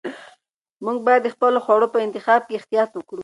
موږ باید د خپلو خوړو په انتخاب کې احتیاط وکړو.